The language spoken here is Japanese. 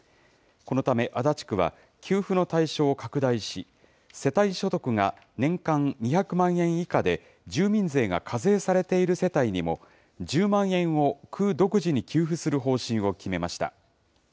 このため足立区は、給付の対象を拡大し、世帯所得が年間２００万円以下で、住民税が課税されている世帯にも、１０万円を区独自に給付する方針を決めました。